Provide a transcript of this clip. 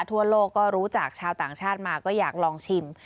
ทั่วโลกก็รู้จักชาวต่างชาติมาก็อยากลองชิม